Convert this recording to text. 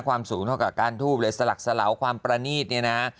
ความสูงเท่ากับการทูบเลยสลักสลาความประนีตเนี่ยนะ